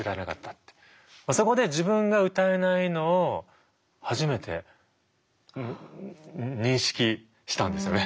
そこで自分が歌えないのを初めて認識したんですよね。